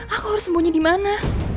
aku harus sembunyi dimana